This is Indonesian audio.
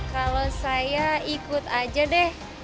kalau saya ikut aja deh